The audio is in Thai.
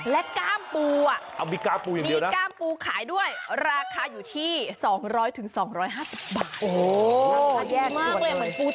และกล้ามปูอ่ะมีก้ามปูขายด้วยราคาอยู่ที่๒๐๐๒๕๐บาท